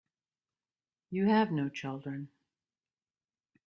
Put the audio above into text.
You have no children.